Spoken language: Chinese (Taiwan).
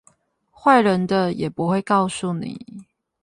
壞人的也不會告訴你